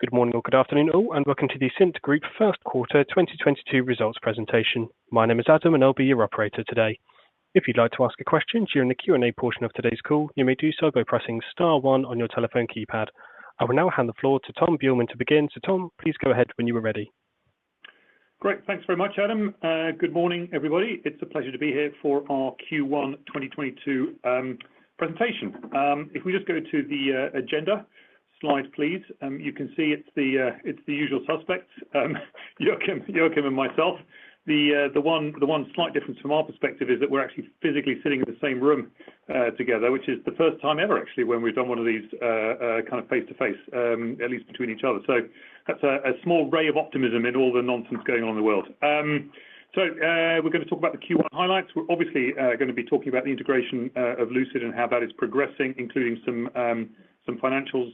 Good morning or good afternoon all, and welcome to the Cint Group first quarter 2022 results presentation. My name is Adam, and I'll be your operator today. If you'd like to ask a question during the Q&A portion of today's call, you may do so by pressing star one on your telephone keypad. I will now hand the floor to Tom Buehlmann to begin. Tom, please go ahead when you are ready. Great. Thanks very much, Adam. Good morning, everybody. It's a pleasure to be here for our Q1 2022 presentation. If we just go to the agenda slide, please. You can see it's the usual suspects, Joakim and myself. The one slight difference from our perspective is that we're actually physically sitting in the same room together, which is the first time ever, actually, when we've done one of these kind of face-to-face, at least between each other. That's a small ray of optimism in all the nonsense going on in the world. We're gonna talk about the Q1 highlights. We're obviously gonna be talking about the integration of Lucid and how that is progressing, including some financials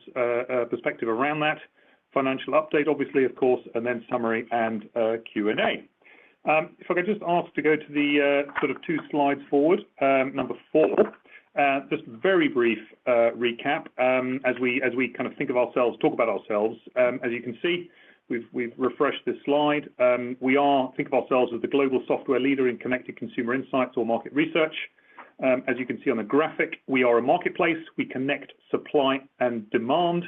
perspective around that. Financial update, obviously, of course, and then summary and a Q&A. If I could just ask to go to the sort of two slides forward, number four. Just very brief recap, as we kind of think of ourselves, talk about ourselves. As you can see, we've refreshed this slide. We think of ourselves as the global software leader in connected consumer insights or market research. As you can see on the graphic, we are a marketplace. We connect supply and demand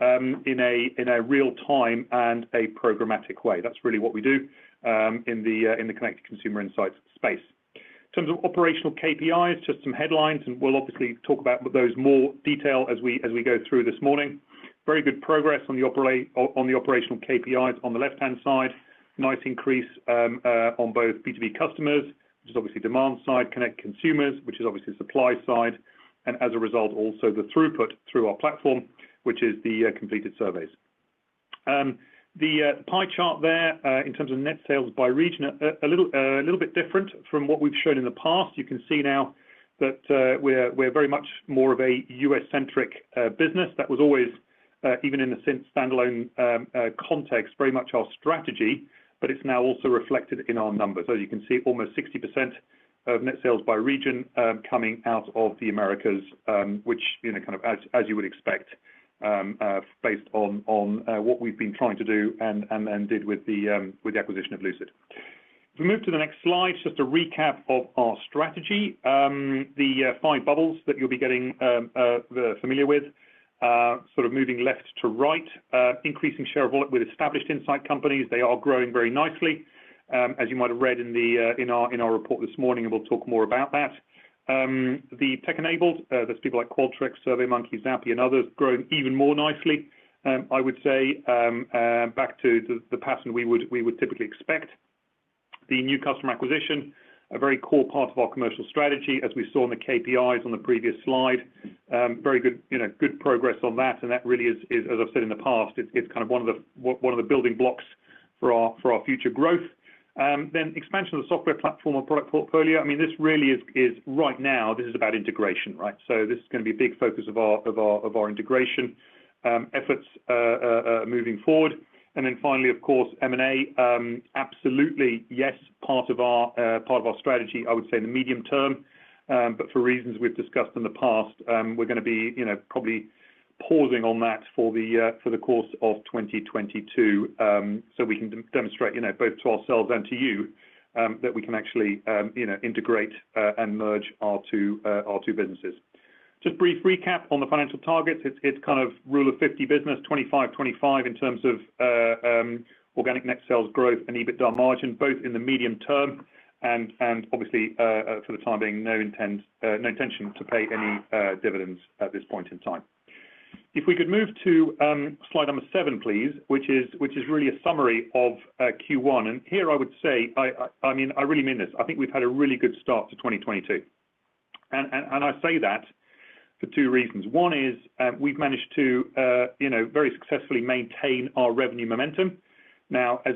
in a real-time and a programmatic way. That's really what we do in the connected consumer insights space. In terms of operational KPIs, just some headlines, and we'll obviously talk about those in more detail as we go through this morning. Very good progress on the operational KPIs on the left-hand side. Nice increase on both B2B customers, which is obviously demand side, connected consumers, which is obviously supply side, and as a result, also the throughput through our platform, which is the completed surveys. The pie chart there in terms of net sales by region, a little bit different from what we've shown in the past. You can see now that we're very much more of a US-centric business. That was always even in the Cint standalone context, very much our strategy, but it's now also reflected in our numbers. You can see almost 60% of net sales by region, coming out of the Americas, which, you know, kind of as you would expect, based on what we've been trying to do and did with the acquisition of Lucid. If we move to the next slide, just a recap of our strategy. The five bubbles that you'll be getting familiar with, sort of moving left to right, increasing share of wallet with established insight companies. They are growing very nicely. As you might have read in our report this morning, and we'll talk more about that. The tech-enabled, that's people like Qualtrics, SurveyMonkey, Zappi, and others, growing even more nicely. I would say back to the pattern we would typically expect. The new customer acquisition, a very core part of our commercial strategy, as we saw in the KPIs on the previous slide. Very good, you know, good progress on that, and that really is, as I've said in the past, it's kind of one of the building blocks for our future growth. Expansion of the software platform or product portfolio. I mean, this really is right now, this is about integration, right? This is gonna be a big focus of our integration efforts moving forward. Finally, of course, M&A. Absolutely yes, part of our strategy, I would say in the medium term. For reasons we've discussed in the past, we're gonna be, you know, probably pausing on that for the course of 2022, so we can demonstrate, you know, both to ourselves and to you, that we can actually, you know, integrate and merge our two businesses. Just a brief recap on the financial targets. It's kind of rule of 50 business, 25 in terms of organic net sales growth and EBITDA margin, both in the medium term. Obviously, for the time being, no intention to pay any dividends at this point in time. If we could move to slide number seven, please, which is really a summary of Q1. Here I would say, I mean, I really mean this, I think we've had a really good start to 2022. I say that for two reasons. One is, we've managed to, you know, very successfully maintain our revenue momentum. Now, as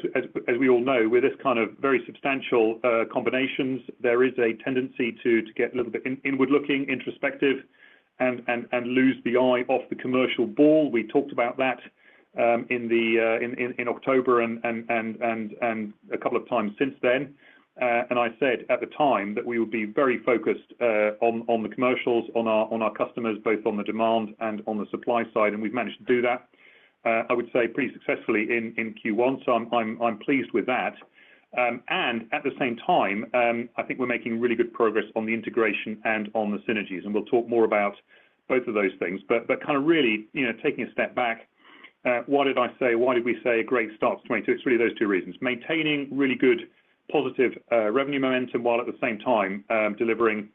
we all know, with this kind of very substantial combinations, there is a tendency to get a little bit inward looking, introspective and take your eye off the commercial ball. We talked about that in October and a couple of times since then. I said at the time that we would be very focused on the commercials on our customers both on the demand and on the supply side, and we've managed to do that I would say pretty successfully in Q1. I'm pleased with that. At the same time, I think we're making really good progress on the integration and on the synergies. We'll talk more about both of those things. Kind of really, you know, taking a step back, why did I say, why did we say a great start to 2022? It's really those two reasons. Maintaining really good positive revenue momentum while at the same time, delivering,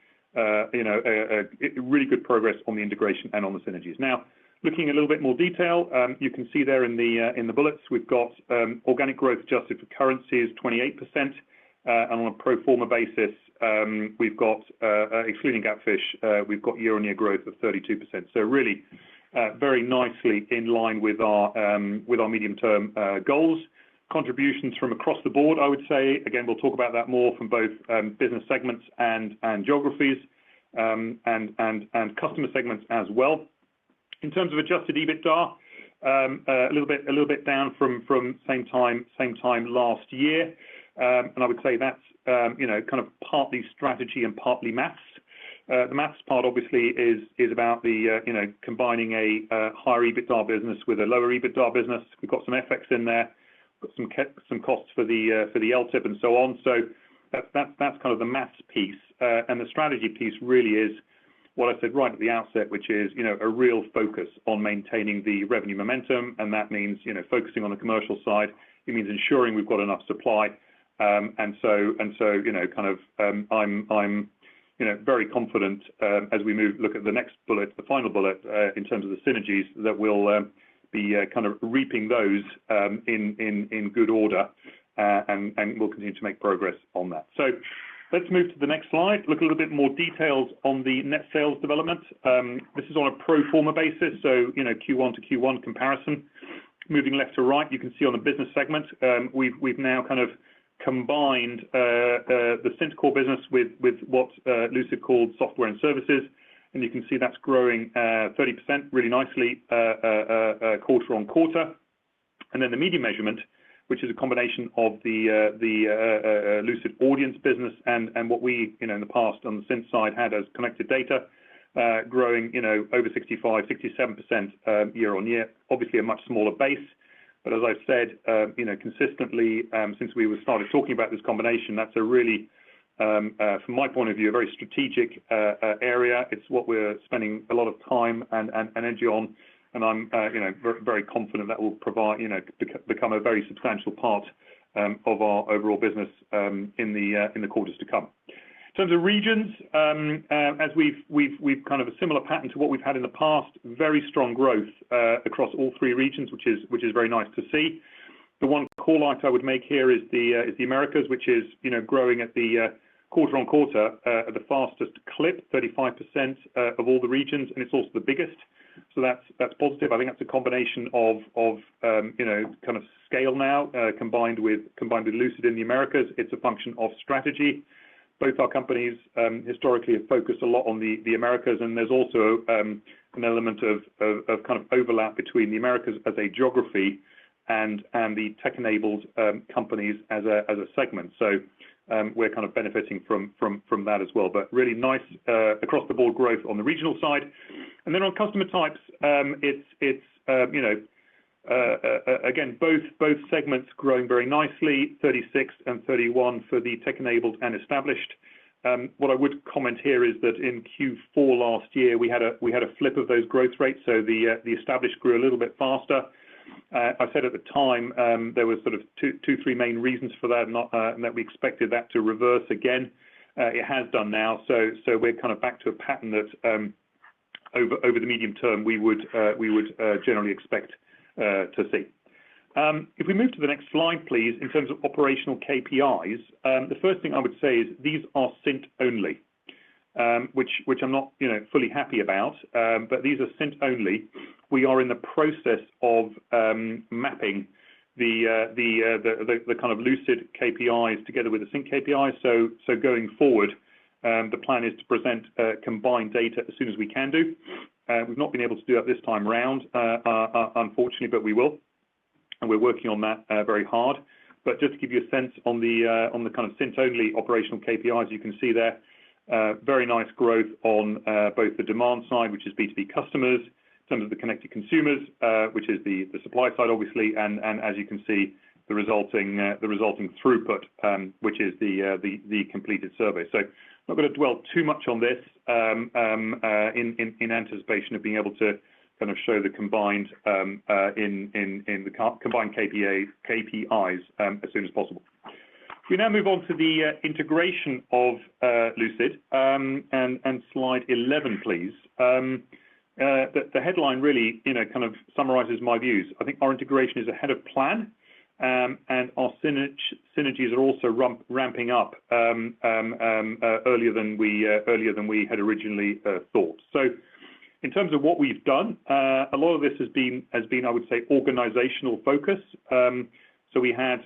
you know, a really good progress on the integration and on the synergies. Now, looking a little bit more detail, you can see there in the bullets, we've got organic growth adjusted for currency is 28%. On a pro forma basis, we've got excluding GapFish year-on-year growth of 32%. Really, very nicely in line with our medium-term goals. Contributions from across the board, I would say. Again, we'll talk about that more from both business segments and customer segments as well. In terms of adjusted EBITDA, a little bit down from same time last year. I would say that's, you know, kind of partly strategy and partly math. The math part obviously is about the, you know, combining a higher EBITDA business with a lower EBITDA business. We've got some FX in there, got some costs for the LTIP and so on. So that's kind of the math piece. The strategy piece really is what I said right at the outset, which is, you know, a real focus on maintaining the revenue momentum, and that means, you know, focusing on the commercial side. It means ensuring we've got enough supply. I'm you know very confident as we look at the next bullet, the final bullet, in terms of the synergies that we'll be kind of reaping those in good order, and we'll continue to make progress on that. Let's move to the next slide. Look a little bit more details on the net sales development. This is on a pro forma basis, so you know Q1 to Q1 comparison. Moving left to right, you can see on the business segment, we've now kind of combined the Cint core business with what Lucid called software and services. You can see that's growing 30% really nicely quarter-on-quarter. Then the Lucid Measurement, which is a combination of the Lucid audience business and what we, you know, in the past on the Cint side had as Connected Data, growing, you know, over 65%-67% year-on-year, obviously a much smaller base. As I said, you know, consistently, from my point of view, a very strategic area. It's what we're spending a lot of time and energy on, and I'm, you know, very confident that will become a very substantial part of our overall business, in the quarters to come. In terms of regions, as we've kind of a similar pattern to what we've had in the past, very strong growth across all three regions, which is very nice to see. The one call-out I would make here is the Americas, which is, you know, growing at the quarter-on-quarter at the fastest clip, 35% of all the regions, and it's also the biggest. That's positive. I think that's a combination of, you know, kind of scale now, combined with Lucid in the Americas. It's a function of strategy. Both our companies historically have focused a lot on the Americas, and there's also an element of kind of overlap between the Americas as a geography and the tech-enabled companies as a segment. We're kind of benefiting from that as well, but really nice across the board growth on the regional side. On customer types, it's you know again both segments growing very nicely, 36% and 31% for the tech-enabled and established. What I would comment here is that in Q4 last year, we had a flip of those growth rates, so the established grew a little bit faster. I said at the time, there was sort of two, three main reasons for that we expected that to reverse again. It has done now, so we're kind of back to a pattern that over the medium term we would generally expect to see. If we move to the next slide, please. In terms of operational KPIs, the first thing I would say is these are Cint only, which I'm not, you know, fully happy about, but these are Cint only. We are in the process of mapping the kind of Lucid KPIs together with the Cint KPIs. Going forward, the plan is to present combined data as soon as we can do. We've not been able to do that this time around, unfortunately, but we will. We're working on that very hard. Just to give you a sense on the kind of Cint only operational KPIs, you can see there very nice growth on both the demand side, which is B2B customers, some of the connected consumers, which is the supply side, obviously, and as you can see, the resulting throughput, which is the completed survey. I'm not gonna dwell too much on this in anticipation of being able to kind of show the combined KPIs as soon as possible. If we now move on to the integration of Lucid and slide 11, please. The headline really, you know, kind of summarizes my views. I think our integration is ahead of plan, and our synergies are also ramping up earlier than we had originally thought. In terms of what we've done, a lot of this has been, I would say, organizational focus. We had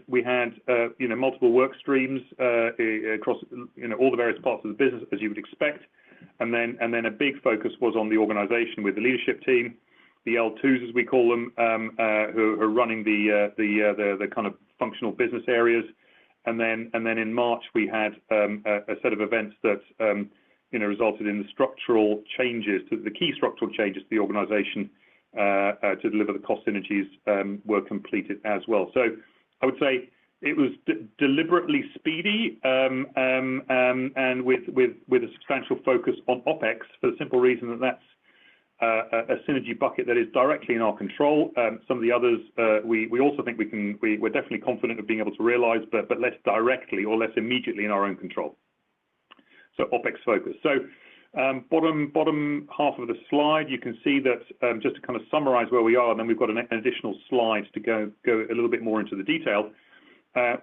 you know multiple work streams across you know all the various parts of the business, as you would expect. A big focus was on the organization with the leadership team, the L2s, as we call them, who are running the kind of functional business areas. In March, we had a set of events that you know, resulted in the structural changes. The key structural changes to the organization to deliver the cost synergies were completed as well. I would say it was deliberately speedy and with a substantial focus on OpEx for the simple reason that that's a synergy bucket that is directly in our control. Some of the others, we also think we can we're definitely confident of being able to realize, but less directly or less immediately in our own control. OpEx focus. Bottom half of the slide, you can see that, just to kind of summarize where we are, and then we've got an additional slide to go a little bit more into the detail.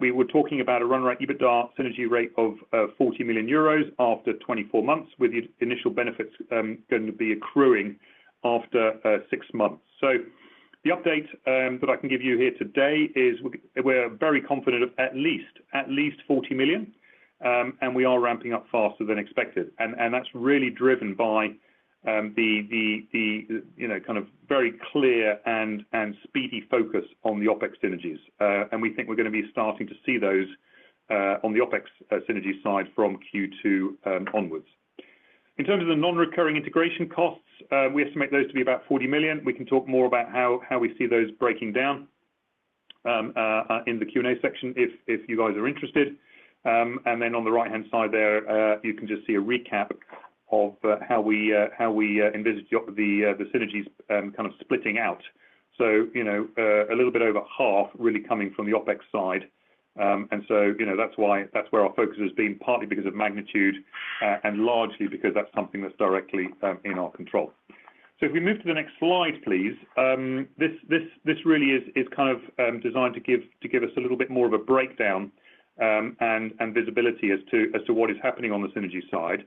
We were talking about a run rate EBITDA synergy rate of 40 million euros after 24 months, with the initial benefits going to be accruing after six months. The update that I can give you here today is we're very confident of at least 40 million, and we are ramping up faster than expected. That's really driven by the you know, kind of very clear and speedy focus on the OpEx synergies. We think we're gonna be starting to see those on the OpEx synergy side from Q2 onwards. In terms of the non-recurring integration costs, we estimate those to be about 40 million. We can talk more about how we see those breaking down in the Q&A section if you guys are interested. Then on the right-hand side there, you can just see a recap of how we envisage the synergies kind of splitting out. You know, a little bit over half really coming from the OpEx side. You know, that's why that's where our focus has been, partly because of magnitude and largely because that's something that's directly in our control. If we move to the next slide, please. This really is kind of designed to give us a little bit more of a breakdown, and visibility as to what is happening on the synergy side.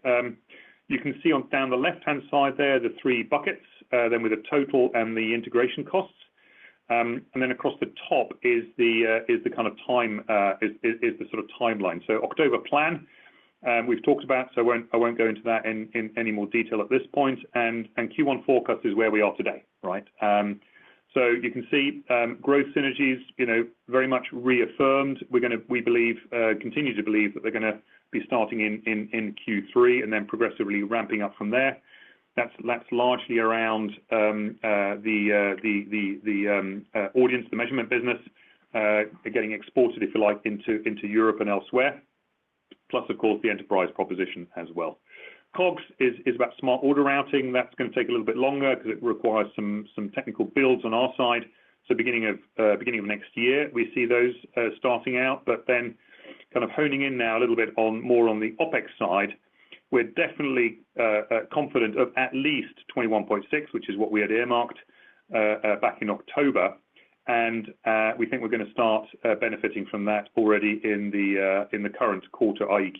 You can see down the left-hand side there, the three buckets, then with the total and the integration costs. And then across the top is the sort of timeline. October plan we've talked about, so I won't go into that in any more detail at this point, and Q1 forecast is where we are today, right? You can see growth synergies, you know, very much reaffirmed. We believe continue to believe that they're gonna be starting in Q3 and then progressively ramping up from there. That's largely around the audience, the measurement business getting exported, if you like, into Europe and elsewhere, plus of course the enterprise proposition as well. COGS is about smart order routing. That's gonna take a little bit longer 'cause it requires some technical builds on our side. Beginning of next year, we see those starting out, but then kind of honing in now a little bit on more on the OpEx side. We're definitely confident of at least 21.6%, which is what we had earmarked back in October, and we think we're gonna start benefiting from that already in the current quarter, i.e.,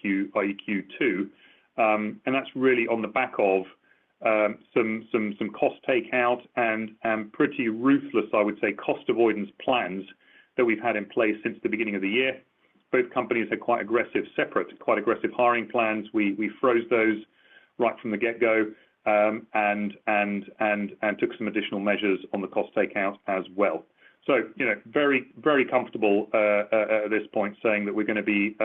Q2. That's really on the back of some cost takeout and pretty ruthless, I would say, cost avoidance plans that we've had in place since the beginning of the year. Both companies had quite aggressive separate hiring plans. We froze those right from the get-go and took some additional measures on the cost takeout as well. You know, very, very comfortable at this point saying that we're gonna be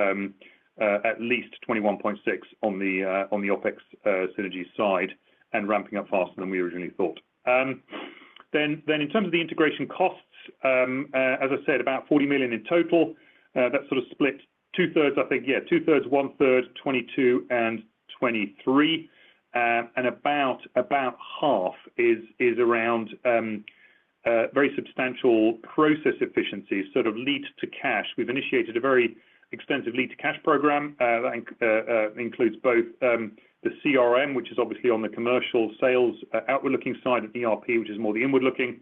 at least 21.6 million on the OpEx synergy side and ramping up faster than we originally thought. In terms of the integration costs, as I said, about 40 million in total. That's sort of split two-thirds, one-third, 2022 and 2023. About half is around very substantial process efficiencies, sort of Lead-to-Cash. We've initiated a very extensive Lead-to-Cash program that includes both the CRM, which is obviously on the commercial sales outward-looking side of ERP, which is more the inward-looking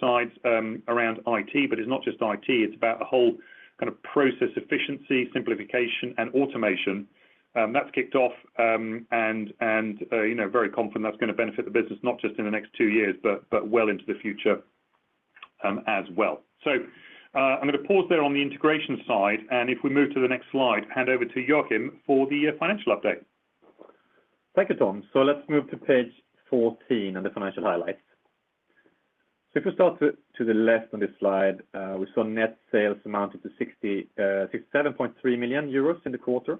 sides around IT. It's not just IT, it's about the whole kind of process efficiency, simplification and automation. That's kicked off, you know, very confident that's gonna benefit the business not just in the next two years, well into the future, as well. I'm gonna pause there on the integration side, and if we move to the next slide, hand over to Joakim for the financial update. Thank you, Tom. Let's move to page 14 on the financial highlights. If we start to the left on this slide, we saw net sales amounted to 67.3 million euros in the quarter,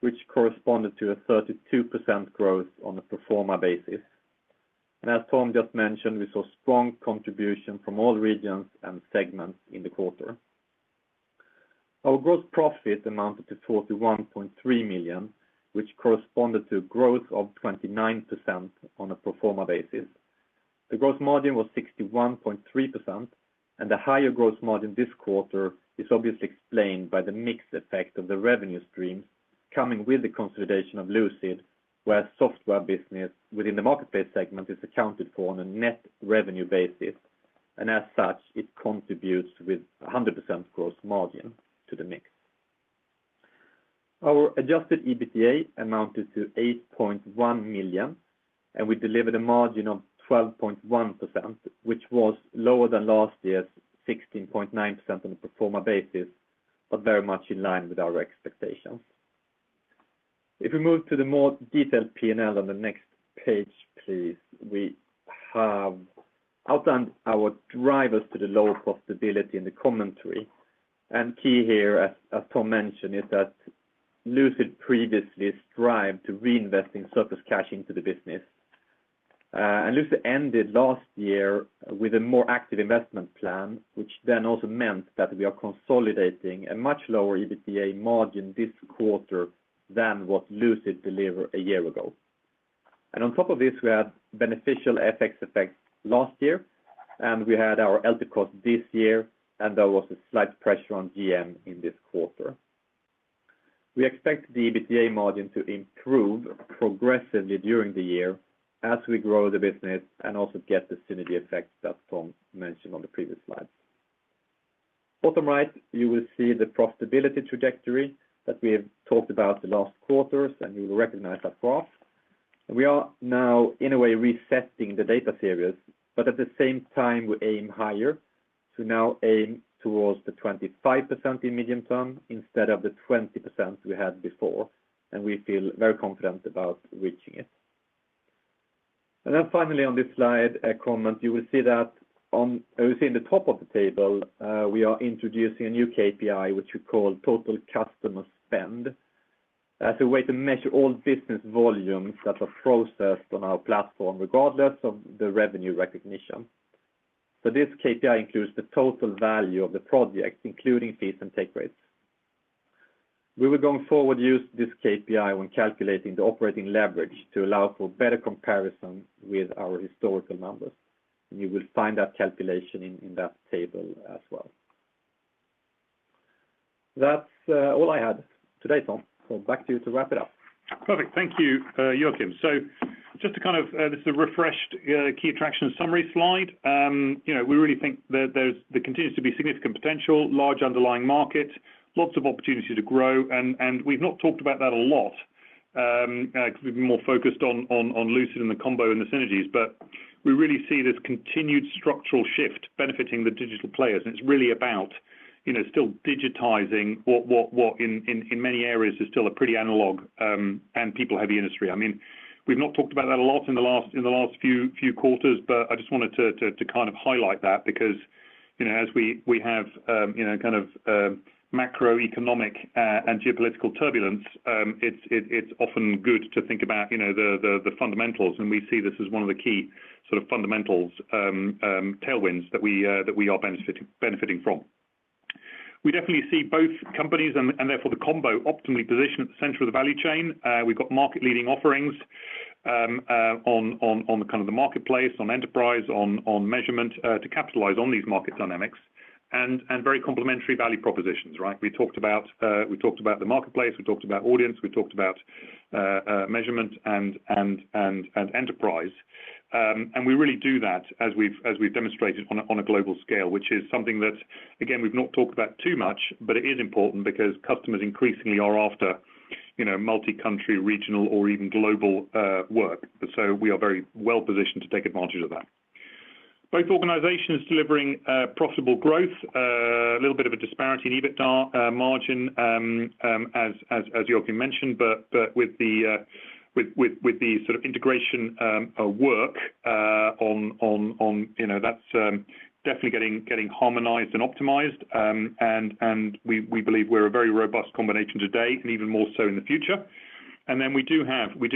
which corresponded to a 32% growth on a pro forma basis. As Tom just mentioned, we saw strong contribution from all regions and segments in the quarter. Our gross profit amounted to 41.3 million, which corresponded to growth of 29% on a pro forma basis. The gross margin was 61.3%, and the higher gross margin this quarter is obviously explained by the mix effect of the revenue streams coming with the consolidation of Lucid, where software business within the marketplace segment is accounted for on a net revenue basis, and as such, it contributes with a 100% gross margin to the mix. Our adjusted EBITDA amounted to 8.1 million, and we delivered a margin of 12.1%, which was lower than last year's 16.9% on a pro forma basis, but very much in line with our expectations. If we move to the more detailed P&L on the next page, please. We have outlined our drivers to the lower profitability in the commentary. Key here, as Tom mentioned, is that Lucid previously strived to reinvest in surplus cash into the business. Lucid ended last year with a more active investment plan, which then also meant that we are consolidating a much lower EBITDA margin this quarter than what Lucid delivered a year ago. On top of this, we had beneficial FX effects last year, and we had our LTIP cost this year, and there was a slight pressure on GM in this quarter. We expect the EBITDA margin to improve progressively during the year as we grow the business and also get the synergy effects that Tom mentioned on the previous slide. Bottom right, you will see the profitability trajectory that we have talked about the last quarters, and you will recognize that graph. We are now, in a way, resetting the data series, but at the same time, we aim higher. To now aim towards the 25% in medium term instead of the 20% we had before, and we feel very confident about reaching it. Then finally on this slide, a comment, you'll see in the top of the table, we are introducing a new KPI, which we call Total Customer Spend as a way to measure all business volumes that are processed on our platform, regardless of the revenue recognition. This KPI includes the total value of the project, including fees and take rates. We will, going forward, use this KPI when calculating the operating leverage to allow for better comparison with our historical numbers, and you will find that calculation in that table as well. That's all I had today, Tom. Back to you to wrap it up. Perfect. Thank you, Joakim. Just to kind of, this is a refreshed, key attraction summary slide. You know, we really think that there continues to be significant potential, large underlying market, lots of opportunity to grow, and we've not talked about that a lot, 'cause we've been more focused on Lucid and the combo and the synergies. We really see this continued structural shift benefiting the digital players. It's really about, you know, still digitizing what in many areas is still a pretty analog, and people-heavy industry. I mean, we've not talked about that a lot in the last few quarters, but I just wanted to kind of highlight that because, you know, as we have, you know, kind of macroeconomic and geopolitical turbulence, it's often good to think about, you know, the fundamentals, and we see this as one of the key sort of fundamentals tailwinds that we are benefiting from. We definitely see both companies and therefore the combo optimally positioned at the center of the value chain. We've got market-leading offerings on kind of the marketplace, on enterprise, on measurement to capitalize on these market dynamics and very complementary value propositions, right? We talked about the marketplace, we talked about audience, we talked about measurement and enterprise. We really do that as we've demonstrated on a global scale, which is something that, again, we've not talked about too much, but it is important because customers increasingly are after, you know, multi-country, regional, or even global work. We are very well positioned to take advantage of that. Both organizations delivering profitable growth, a little bit of a disparity in EBITDA margin, as Joakim mentioned, but with the sort of integration work, you know, that's definitely getting harmonized and optimized. We believe we're a very robust combination today and even more so in the future. We do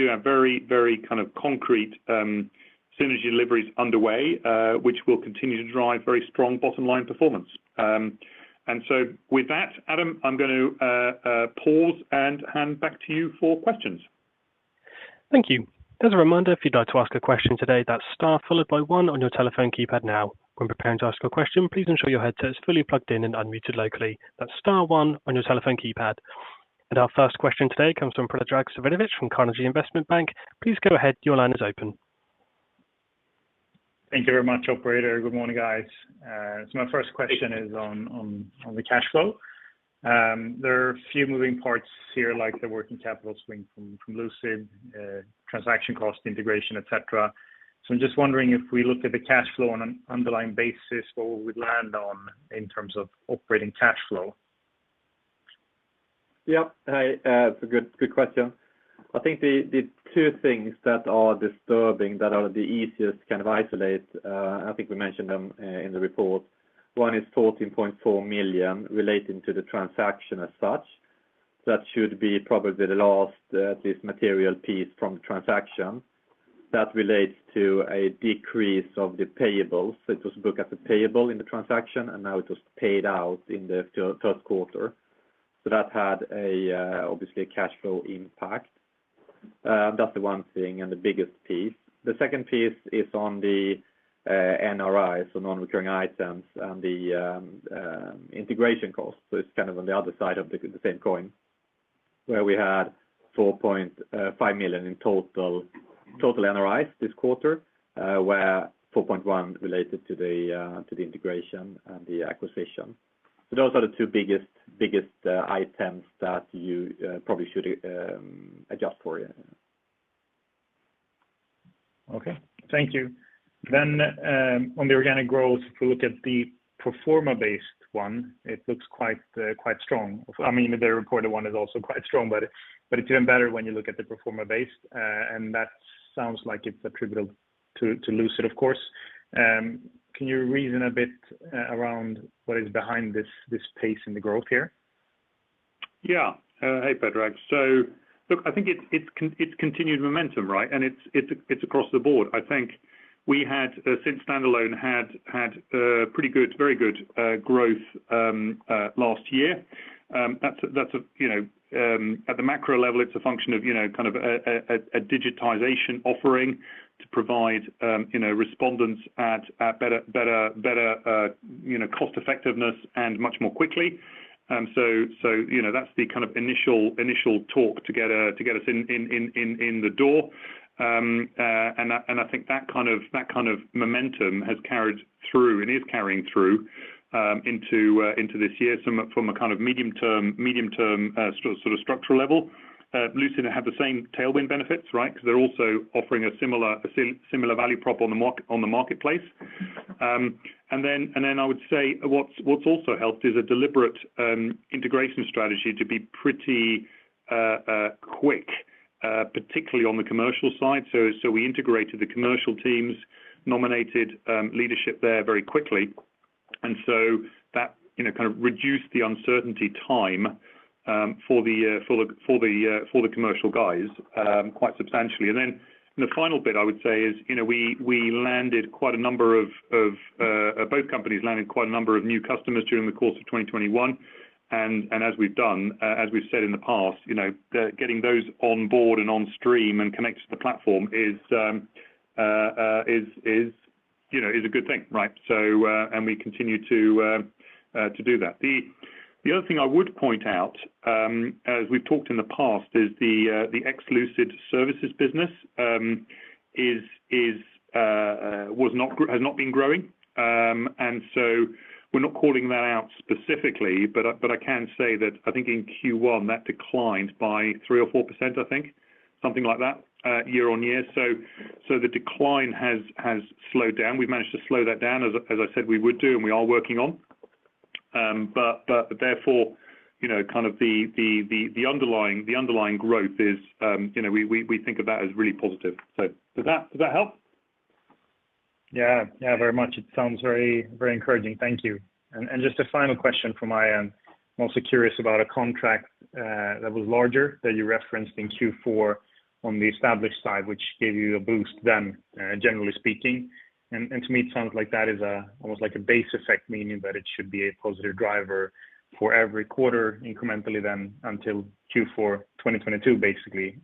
have very kind of concrete synergy deliveries underway, which will continue to drive very strong bottom-line performance. With that, Adam, I'm going to pause and hand back to you for questions. Thank you. As a reminder, if you'd like to ask a question today, that's star followed by one on your telephone keypad now. When preparing to ask a question, please ensure your headset is fully plugged in and unmuted locally. That's star one on your telephone keypad. Our first question today comes from Predrag Savinovic from Carnegie Investment Bank. Please go ahead. Your line is open. Thank you very much, operator. Good morning, guys. My first question is on the cash flow. There are a few moving parts here, like the working capital swing from Lucid, transaction cost integration, et cetera. I'm just wondering if we look at the cash flow on an underlying basis, what we would land on in terms of operating cash flow. Yeah. Hey, it's a good question. I think the two things that are disturbing that are the easiest to kind of isolate, I think we mentioned them in the report. One is 14.4 million relating to the transaction as such. That should be probably the last this material piece from transaction. That relates to a decrease of the payables. It was booked as a payable in the transaction, and now it was paid out in the third quarter. That had obviously a cash flow impact. That's the one thing and the biggest piece. The second piece is on the NRIs, so non-recurring items, and the integration costs. It's kind of on the other side of the same coin, where we had 4.5 million in total NRIs this quarter, where 4.1 related to the integration and the acquisition. Those are the two biggest items that you probably should adjust for. Okay. Thank you. On the organic growth, if we look at the pro forma-based one, it looks quite strong. I mean, the reported one is also quite strong, but it's even better when you look at the pro forma base. That sounds like it's attributable to Lucid, of course. Can you reason a bit around what is behind this pace in the growth here? Yeah. Hey, Predrag. Look, I think it's continued momentum, right? It's across the board. I think we had since standalone had pretty good very good growth last year. That's a you know at the macro level, it's a function of you know kind of a digitization offering to provide you know respondents at better cost effectiveness and much more quickly. You know that's the kind of initial talk to get us in the door. I think that kind of momentum has carried through and is carrying through into this year from a kind of medium-term sort of structural level. Lucid have the same tailwind benefits, right? Because they're also offering a similar value prop on the marketplace. I would say what's also helped is a deliberate integration strategy to be pretty quick, particularly on the commercial side. We integrated the commercial teams, nominated leadership there very quickly. That, you know, kind of reduced the uncertainty time for the commercial guys quite substantially. The final bit I would say is, you know, both companies landed quite a number of new customers during the course of 2021. As we've said in the past, you know, the getting those on board and on stream and connected to the platform is a good thing, right? We continue to do that. The other thing I would point out, as we've talked in the past is the ex-Lucid services business has not been growing. We're not calling that out specifically, but I can say that I think in Q1 that declined by 3% or 4%, I think, something like that, year-on-year. The decline has slowed down. We've managed to slow that down as I said we would do, and we are working on. Therefore, you know, kind of the underlying growth is, you know, we think of that as really positive. Does that help? Yeah. Yeah, very much. It sounds very, very encouraging. Thank you. Just a final question from my end. Mostly curious about a contract that was larger that you referenced in Q4 on the established side, which gave you a boost then, generally speaking. To me, it sounds like that is almost like a base effect, meaning that it should be a positive driver for every quarter incrementally then until Q4 2022, basically.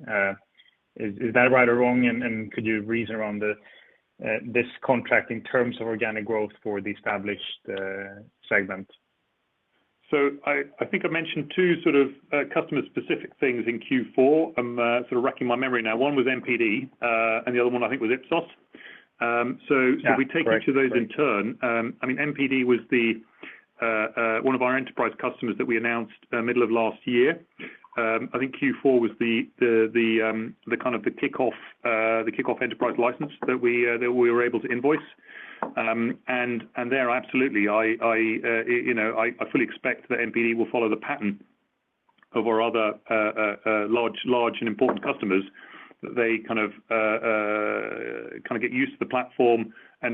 Is that right or wrong? Could you reason around this contract in terms of organic growth for the established segment? I think I mentioned two sort of customer specific things in Q4. I'm sort of racking my memory now. One was NPD, and the other one I think was Ipsos. Yeah. Correct. If we take each of those in turn. I mean, NPD was the one of our enterprise customers that we announced middle of last year. I think Q4 was the kind of the kickoff enterprise license that we were able to invoice. There, absolutely, you know, I fully expect that NPD will follow the pattern of our other large and important customers, that they kind of kinda get used to the platform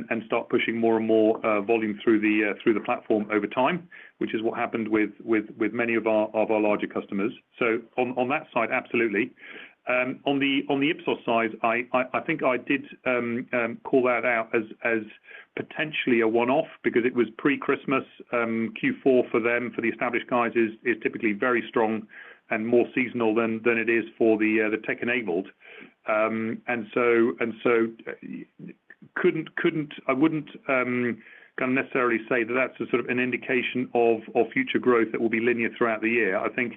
and start pushing more and more volume through the platform over time, which is what happened with many of our larger customers. On that side, absolutely. On the Ipsos side, I think I did call that out as potentially a one-off because it was pre-Christmas. Q4 for them, for the established guys is typically very strong and more seasonal than it is for the tech-enabled. I wouldn't kind of necessarily say that that's a sort of an indication of future growth that will be linear throughout the year. I think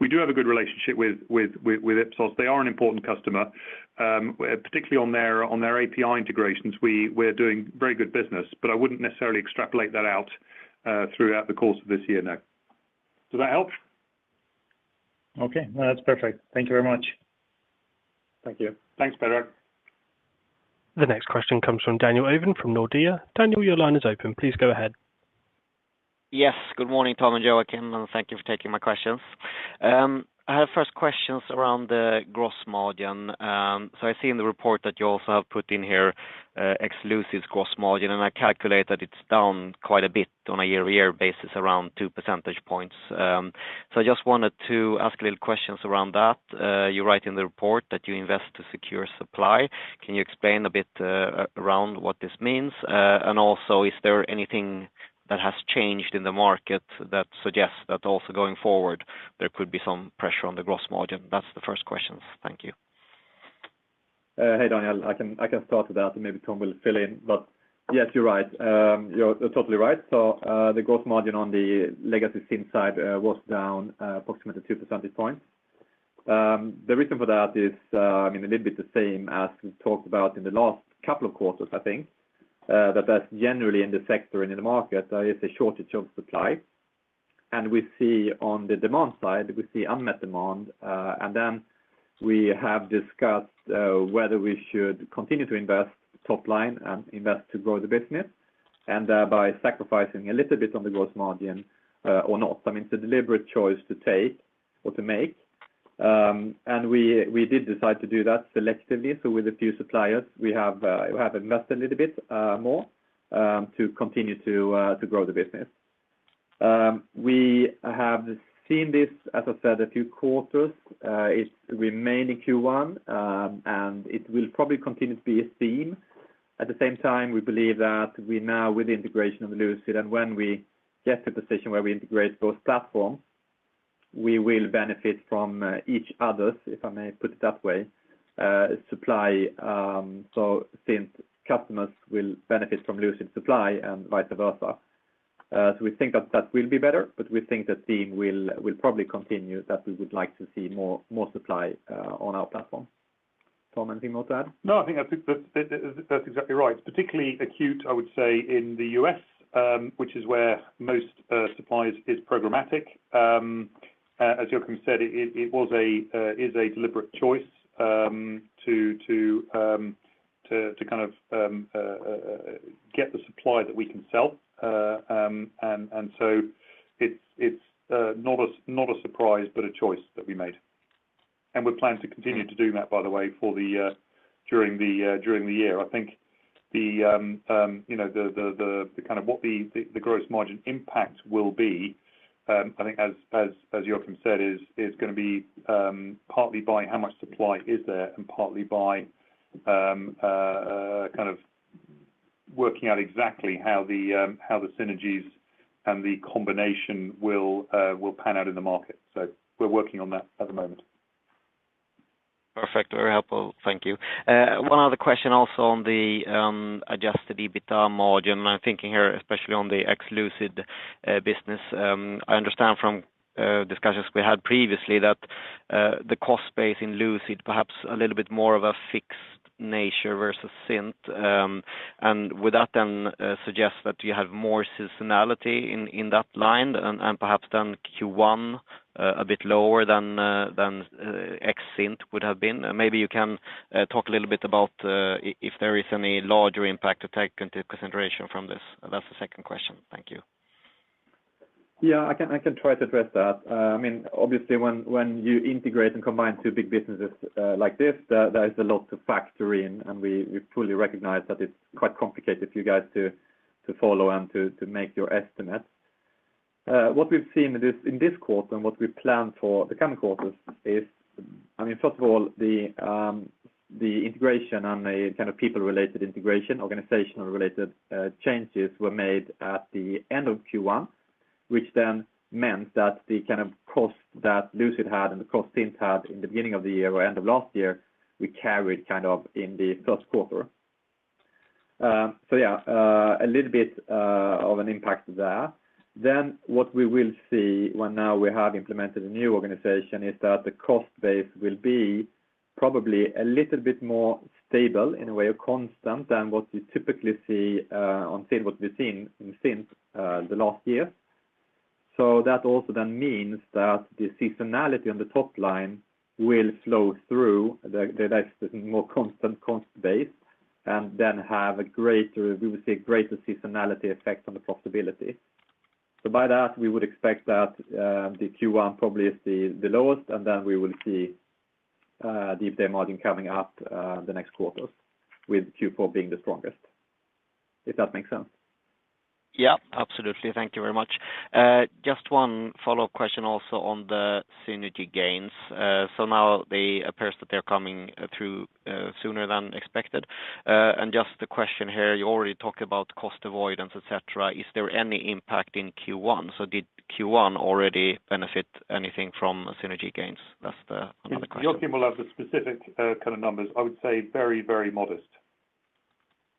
we do have a good relationship with Ipsos. They are an important customer, particularly on their API integrations. We're doing very good business, but I wouldn't necessarily extrapolate that out throughout the course of this year, no. Does that help? Okay. No, that's perfect. Thank you very much. Thank you. Thanks, Predrag Savinovic. The next question comes from Daniel Ovin from Nordea. Daniel, your line is open. Please go ahead. Yes. Good morning, Tom and Joakim, and thank you for taking my questions. I have first questions around the gross margin. I see in the report that you also have put in here, exclusive gross margin, and I calculate that it's down quite a bit on a year-over-year basis, around two percentage points. I just wanted to ask a little questions around that. You write in the report that you invest to secure supply. Can you explain a bit, around what this means? Also, is there anything that has changed in the market that suggests that also going forward, there could be some pressure on the gross margin? That's the first questions. Thank you. Hey, Daniel. I can start with that and maybe Tom will fill in. Yes, you're right. You're totally right. The gross margin on the legacy Cint side was down approximately two percentage points. The reason for that is, I mean, a little bit the same as we talked about in the last couple of quarters, I think, that's generally in the sector and in the market, there is a shortage of supply. We see on the demand side, we see unmet demand, and then we have discussed whether we should continue to invest top line and invest to grow the business and, by sacrificing a little bit on the gross margin, or not. I mean, it's a deliberate choice to take or to make. We did decide to do that selectively. With a few suppliers, we have invested a little bit more to continue to grow the business. We have seen this, as I said, a few quarters. It remained in Q1, and it will probably continue to be a theme. At the same time, we believe that we now with the integration of Lucid and when we get to the position where we integrate both platforms, we will benefit from each other's, if I may put it that way, supply. Since customers will benefit from Lucid supply and vice versa. We think that will be better, but we think the theme will probably continue that we would like to see more supply on our platform. Tom, anything more to add? No, I think that's exactly right. Particularly acute, I would say, in the U.S., which is where most supply is programmatic. As Joakim said, it is a deliberate choice to kind of get the supply that we can sell. It's not a surprise, but a choice that we made. We plan to continue to do that, by the way, during the year. I think you know the kind of what the gross margin impact will be, I think as Joakim said is gonna be partly by how much supply is there and partly by kind of working out exactly how the synergies and the combination will pan out in the market. We're working on that at the moment. Perfect. Very helpful. Thank you. One other question also on the adjusted EBITDA margin. I'm thinking here, especially on the ex-Lucid business. I understand from discussions we had previously that the cost base in Lucid perhaps a little bit more of a fixed nature versus Cint. And would that then suggest that you have more seasonality in that line and perhaps then Q1 a bit lower than ex-Cint would have been? Maybe you can talk a little bit about if there is any larger impact to take into consideration from this. That's the second question. Thank you. Yeah. I can try to address that. I mean, obviously, when you integrate and combine two big businesses, like this, there is a lot to factor in, and we fully recognize that it's quite complicated for you guys to follow and to make your estimates. What we've seen in this quarter and what we plan for the coming quarters is. I mean, first of all, the integration and the kind of people related integration, organizational related changes were made at the end of Q1, which then meant that the kind of cost that Lucid had and the cost Cint had in the beginning of the year or end of last year, we carried kind of in the first quarter. Yeah, a little bit of an impact there. What we will see when now we have implemented a new organization is that the cost base will be probably a little bit more stable in a way or constant than what you typically see on Cint, what we've seen in Cint the last year. That also means that the seasonality on the top line will flow through the more constant cost base and then have a greater seasonality effect on the profitability. By that, we would expect that Q1 probably is the lowest, and then we will see the EBITDA margin coming up the next quarters with Q4 being the strongest, if that makes sense. Yeah, absolutely. Thank you very much. Just one follow-up question also on the synergy gains. Now it appears that they're coming through, sooner than expected. Just the question here, you already talked about cost avoidance, et cetera. Is there any impact in Q1? Did Q1 already benefit anything from synergy gains? That's another question. Joakim will have the specific, kind of numbers. I would say very, very modest.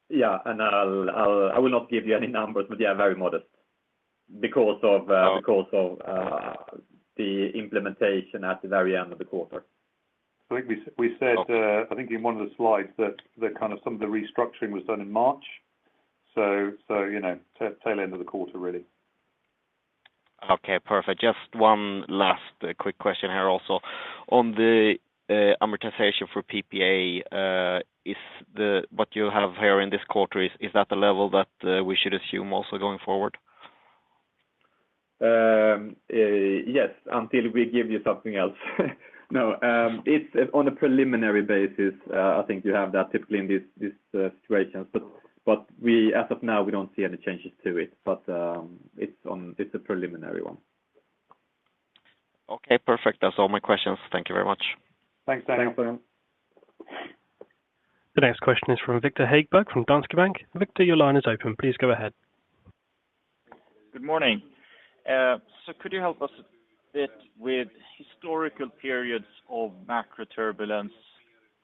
Yeah. I will not give you any numbers, but yeah, very modest because of the implementation at the very end of the quarter. I think we said, I think in one of the slides that the kind of some of the restructuring was done in March. You know, tail end of the quarter, really. Okay, perfect. Just one last quick question here also. On the amortization for PPA, what you have here in this quarter, is that the level that we should assume also going forward? Yes, until we give you something else. No, it's on a preliminary basis. I think you have that typically in these situations. We as of now don't see any changes to it, but it's on. It's a preliminary one. Okay, perfect. That's all my questions. Thank you very much. Thanks. Thanks. The next question is from Viktor Högberg from Danske Bank. Viktor, your line is open. Please go ahead. Good morning. Could you help us a bit with historical periods of macro turbulence,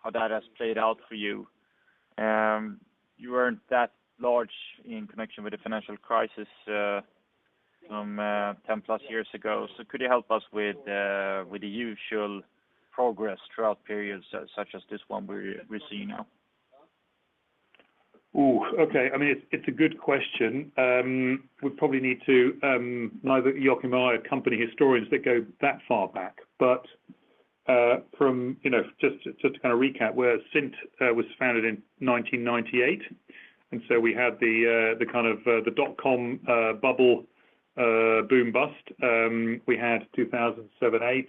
how that has played out for you? You weren't that large in connection with the financial crisis from 10+ years ago. Could you help us with the usual progress throughout periods such as this one we're seeing now? I mean, it's a good question. We probably need to, neither Joakim and I are company historians that go that far back. From you know, just to kind of recap, where Cint was founded in 1998, and so we had the kind of dot-com bubble boom bust. We had 2007-2008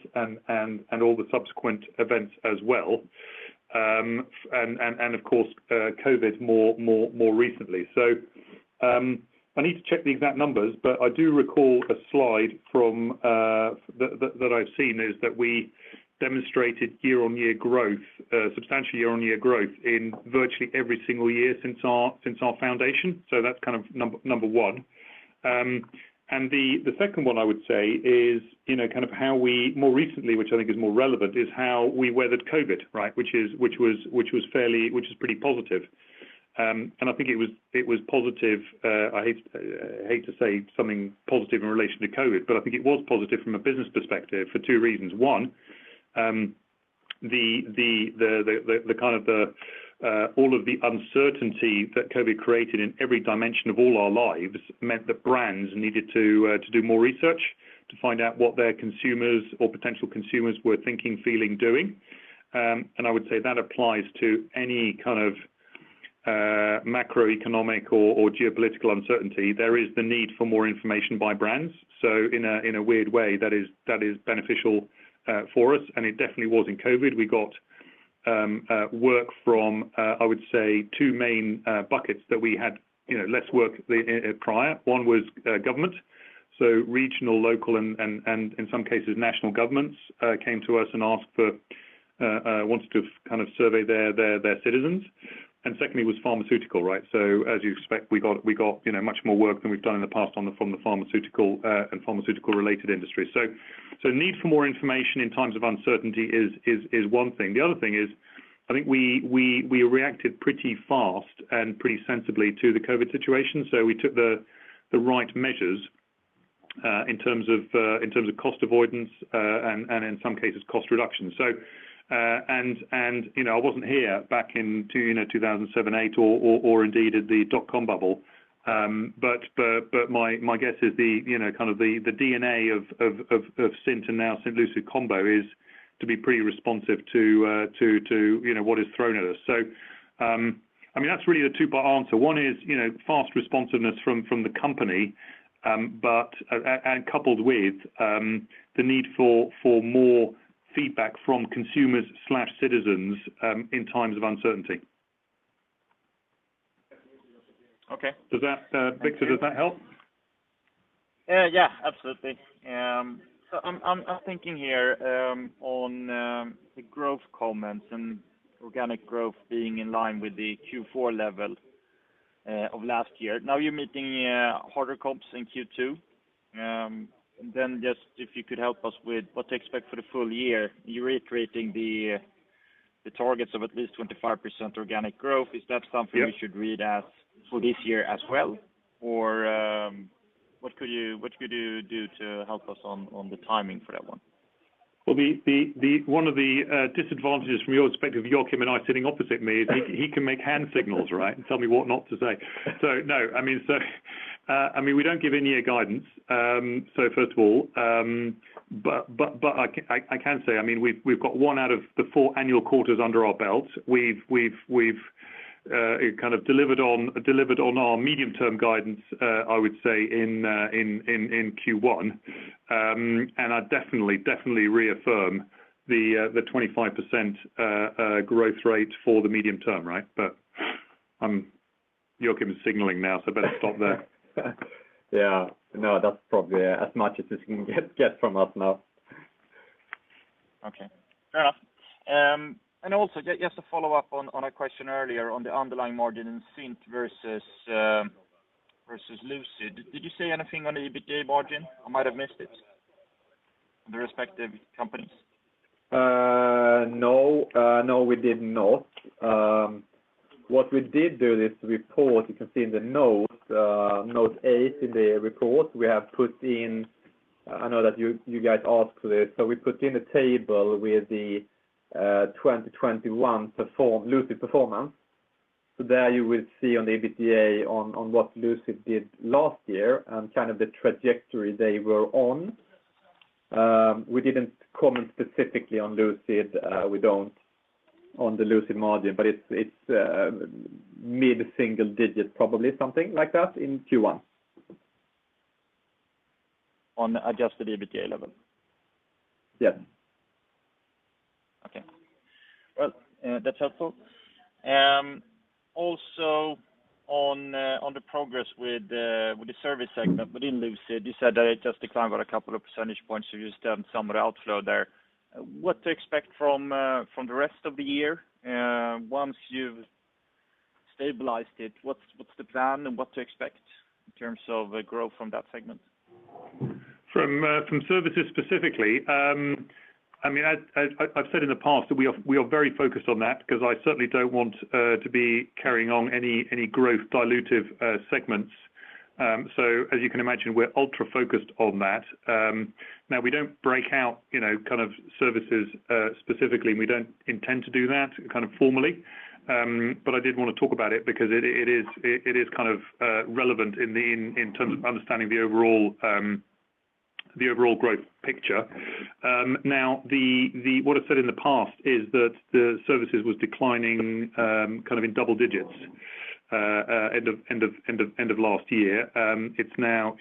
and all the subsequent events as well. Of course, COVID more recently. I need to check the exact numbers, but I do recall a slide from that I've seen is that we demonstrated year-on-year growth, substantial year-on-year growth in virtually every single year since our foundation. That's kind of number one. The second one I would say is, you know, kind of how we more recently, which I think is more relevant, is how we weathered COVID, right? Which is pretty positive. I think it was positive. I hate to say something positive in relation to COVID, but I think it was positive from a business perspective for two reasons. One, the kind of uncertainty that COVID created in every dimension of all our lives meant that brands needed to do more research to find out what their consumers or potential consumers were thinking, feeling, doing. I would say that applies to any kind of macroeconomic or geopolitical uncertainty. There is the need for more information by brands. In a weird way, that is beneficial for us, and it definitely was in COVID. We got work from, I would say two main buckets that we had, you know, less work the prior. One was government. Regional, local and in some cases, national governments came to us and wanted to kind of survey their citizens. Secondly was pharmaceutical, right? As you expect, we got, you know, much more work than we've done in the past from the pharmaceutical and pharmaceutical related industries. Need for more information in times of uncertainty is one thing. The other thing is, I think we reacted pretty fast and pretty sensibly to the COVID situation. We took the right measures in terms of cost avoidance and in some cases cost reduction. You know, I wasn't here back in 2007, 2008 or indeed at the dot-com bubble. But my guess is the kind of DNA of Cint and now Cint Lucid combo is to be pretty responsive to what is thrown at us. I mean, that's really the two-part answer. One is, you know, fast responsiveness from the company, but coupled with the need for more feedback from consumers or citizens in times of uncertainty. Okay. Does that, Viktor, does that help? Yeah, absolutely. So I'm thinking here on the growth comments and organic growth being in line with the Q4 level of last year. Now you're meeting harder comps in Q2. Just if you could help us with what to expect for the full year, you're reiterating the targets of at least 25% organic growth. Is that something? Yeah... you should read as for this year as well? Or, what could you do to help us on the timing for that one? one of the disadvantages from your perspective, Joakim and I sitting opposite me, he can make hand signals and tell me what not to say, right? no, I mean, we don't give any guidance. first of all, I can say, I mean, we've got one out of the four annual quarters under our belt. We've kind of delivered on our medium-term guidance, I would say in Q1. I definitely reaffirm the 25% growth rate for the medium term, right? Joakim is signaling now, so I better stop there. Yeah, no, that's probably as much as you can get from us now. Okay, fair enough. Also just to follow up on a question earlier on the underlying margin in Cint versus Lucid. Did you say anything on the EBITDA margin? I might have missed it, the respective companies. No, we did not. What we did do in this report, you can see in the notes, note eight in the report, we have put in. I know that you guys asked for this. We put in a table with the 2021 Lucid performance. There you will see the EBITDA on what Lucid did last year and kind of the trajectory they were on. We didn't comment specifically on Lucid. We don't comment on the Lucid margin, but it's mid-single-digit %, probably something like that in Q1. On adjusted EBITDA level? Yes. Okay. Well, that's helpful. Also on the progress with the service segment within Lucid, you said that it just declined by a couple of percentage points, so you've done some outflow there. What to expect from the rest of the year, once you've stabilized it, what's the plan and what to expect in terms of growth from that segment? From services specifically, I mean, I've said in the past that we are very focused on that because I certainly don't want to be carrying on any growth dilutive segments. As you can imagine, we're ultra focused on that. Now we don't break out, you know, kind of services specifically, and we don't intend to do that kind of formally. I did wanna talk about it because it is kind of relevant in terms of understanding the overall growth picture. Now what I've said in the past is that the services was declining kind of in double digits end of last year. It's now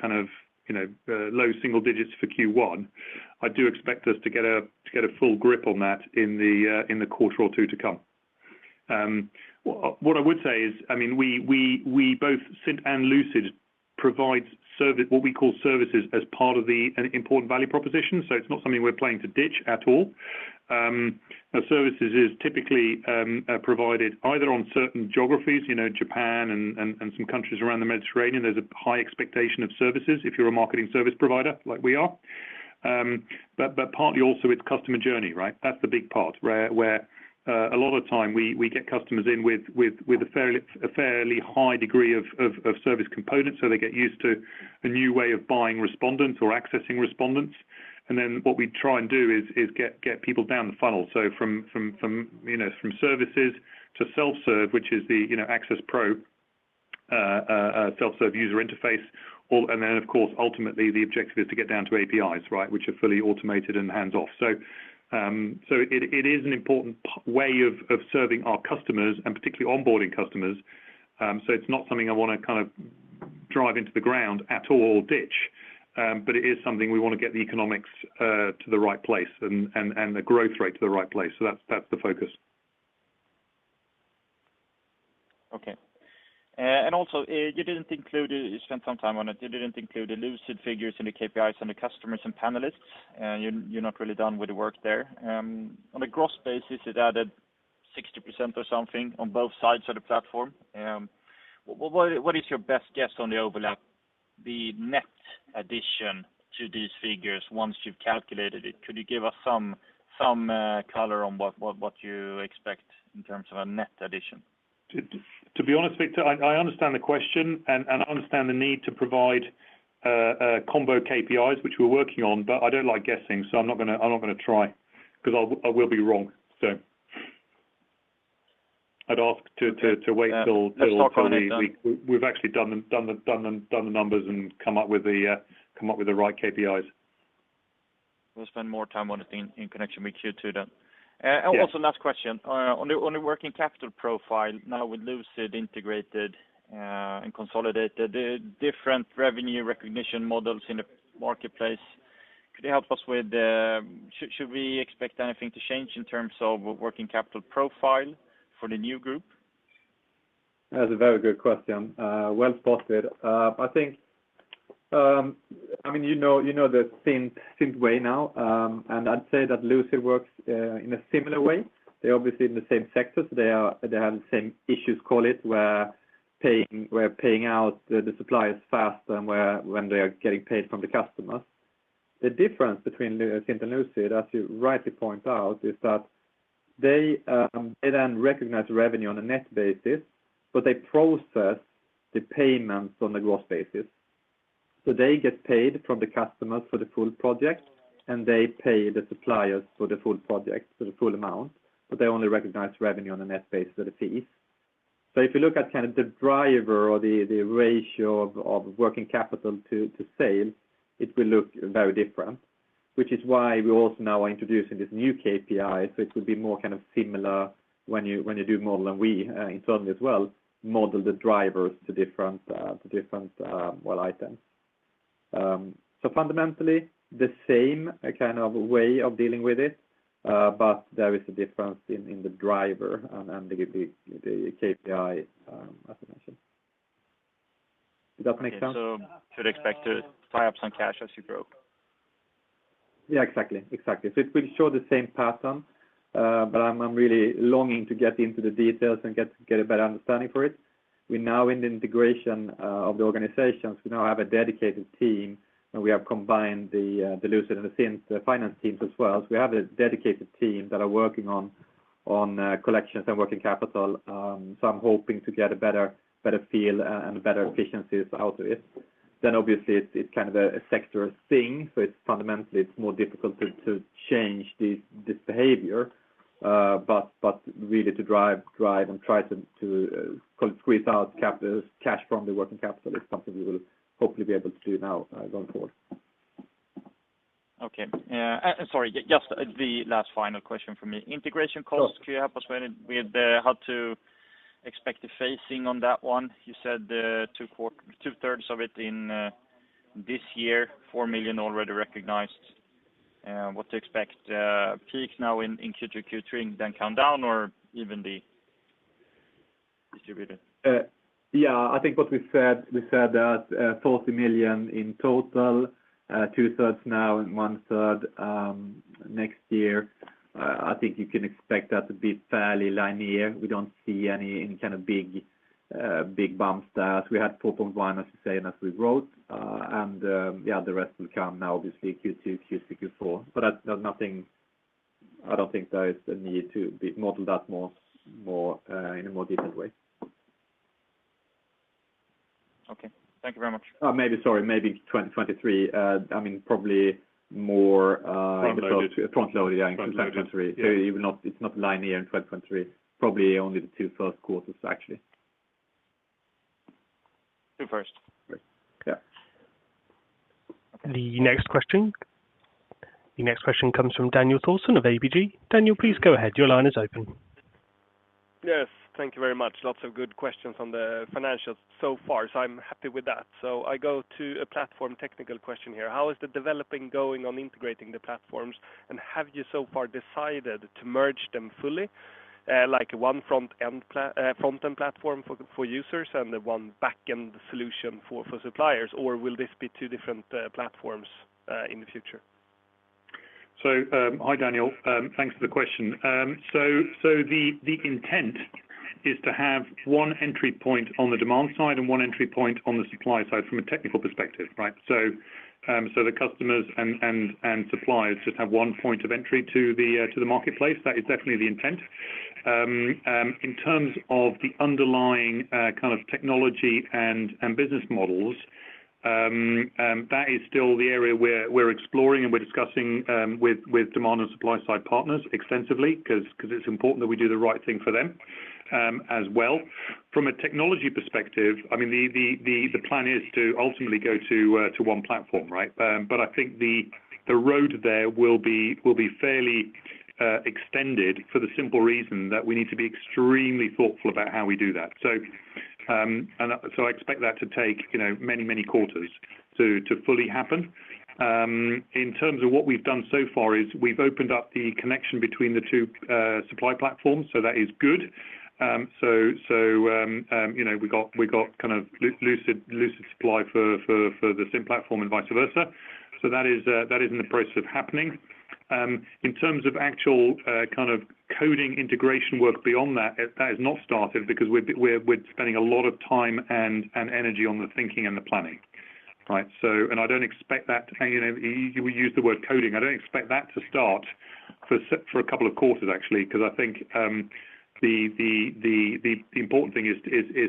kind of, you know, low single digits for Q1. I do expect us to get a full grip on that in the quarter or two to come. What I would say is, I mean, we both Cint and Lucid provide what we call services as part of an important value proposition. So it's not something we're planning to ditch at all. Our services is typically provided either on certain geographies, you know, Japan and some countries around the Mediterranean. There's a high expectation of services if you're a marketing service provider like we are. Partly also it's customer journey, right? That's the big part, where a lot of time we get customers in with a fairly high degree of service components, so they get used to a new way of buying respondents or accessing respondents. Then what we try and do is get people down the funnel. From you know, from services to self-serve, which is the you know, Access Pro self-serve user interface. Then, of course, ultimately the objective is to get down to APIs, right, which are fully automated and hands-off. It is an important way of serving our customers and particularly onboarding customers. It's not something I wanna kind of drive into the ground at all, but it is something we wanna get the economics to the right place and the growth rate to the right place. That's the focus. Okay. Also, you didn't include it. You spent some time on it. You didn't include the Lucid figures and the KPIs and the customers and panelists, and you're not really done with the work there. On a gross basis, it added 60% or something on both sides of the platform. What is your best guess on the overlap, the net addition to these figures once you've calculated it? Could you give us some color on what you expect in terms of a net addition? To be honest, Viktor, I understand the question and I understand the need to provide combo KPIs, which we're working on, but I don't like guessing, so I'm not gonna try because I will be wrong. I'd ask to wait till we Let's talk on it then. We've actually done the numbers and come up with the right KPIs. We'll spend more time on it in connection with Q2 then. Yeah. Also, last question. On the working capital profile now with Lucid integrated and consolidated the different revenue recognition models in the marketplace, should we expect anything to change in terms of working capital profile for the new group? That's a very good question. Well spotted. I think, I mean, you know, you know the Cint way now, and I'd say that Lucid works in a similar way. They're obviously in the same sectors. They have the same issues, call it, where paying out the suppliers faster and when they are getting paid from the customers. The difference between Cint and Lucid, as you rightly point out, is that they then recognize revenue on a net basis, but they process the payments on a gross basis. They get paid from the customers for the full project, and they pay the suppliers for the full project, for the full amount, but they only recognize revenue on a net basis for the fees. If you look at kind of the driver or the ratio of working capital to sales, it will look very different, which is why we also now are introducing this new KPI. It will be more kind of similar when you do model, and we internally as well model the drivers to different well items. Fundamentally the same kind of way of dealing with it, but there is a difference in the driver and the KPI, as I mentioned. Does that make sense? Okay. Should expect to tie up some cash as you grow? Yeah, exactly. It will show the same pattern, but I'm really longing to get into the details and get a better understanding for it. We're now in the integration of the organizations. We now have a dedicated team, and we have combined the Lucid and the Cint finance teams as well. We have a dedicated team that are working on collections and working capital. I'm hoping to get a better feel and better efficiencies out of it. Obviously it's kind of a sector thing, so it's fundamentally more difficult to change this behavior, but really to drive and try to call it squeeze out cash from the working capital is something we will hopefully be able to do now, going forward. Okay. Sorry, just the last final question for me. Sure. Integration costs, can you help us with how to expect the phasing on that one? You said, two-thirds of it in this year, 4 million already recognized. What to expect, peak now in Q2, Q3, and then count down or evenly distributed? Yeah. I think what we said that 40 million in total, two-thirds now and one-third next year. I think you can expect that to be fairly linear. We don't see any kind of big bumps there. We had 4.1 million, as you say, and as we wrote, yeah, the rest will come now, obviously Q2, Q3, Q4. That, there's nothing. I don't think there is a need to model that more in a more detailed way. Okay. Thank you very much. Maybe, sorry, maybe 2023. I mean, probably more. Front loaded. Front-loaded, yeah, in 2023. Front loaded. Yeah. Even now, it's not linear in 2023. Probably only the two first quarters, actually. Two first. Yeah. The next question comes from Daniel Thorsson of ABG. Daniel, please go ahead. Your line is open. Yes. Thank you very much. Lots of good questions on the financials so far, so I'm happy with that. I go to a platform technical question here. How is the developing going on integrating the platforms, and have you so far decided to merge them fully, like one front-end platform for users and one back-end solution for suppliers, or will this be two different platforms in the future? Hi Daniel, thanks for the question. The intent is to have one entry point on the demand side and one entry point on the supply side from a technical perspective, right? The customers and suppliers just have one point of entry to the marketplace. That is definitely the intent. In terms of the underlying kind of technology and business models, that is still the area where we're exploring and we're discussing with demand and supply side partners extensively 'cause it's important that we do the right thing for them, as well. From a technology perspective, I mean, the plan is to ultimately go to one platform, right? I think the road there will be fairly extended for the simple reason that we need to be extremely thoughtful about how we do that. I expect that to take, you know, many quarters to fully happen. In terms of what we've done so far is we've opened up the connection between the two supply platforms, so that is good. You know, we got kind of Lucid supply for the same platform and vice versa. So that is in the process of happening. In terms of actual kind of coding integration work beyond that has not started because we're spending a lot of time and energy on the thinking and the planning, right? You know, we use the word coding. I don't expect that to start for a couple of quarters actually, 'cause I think the important thing is